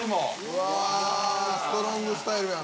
うわストロングスタイルやな。